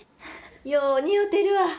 よう似合てるわ。